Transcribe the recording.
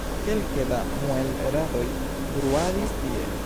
Kelke da muelradoj bruadis tie.